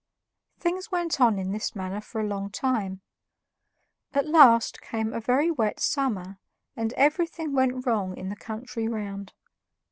Things went on in this manner for a long time. At last came a very wet summer, and everything went wrong in the country round.